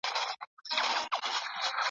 مخامخ تته رڼا کي `